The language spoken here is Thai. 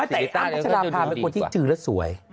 คนที่สวย